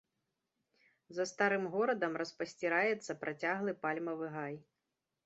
За старым горадам распасціраецца працяглы пальмавы гай.